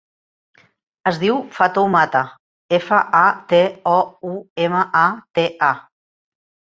Es diu Fatoumata: efa, a, te, o, u, ema, a, te, a.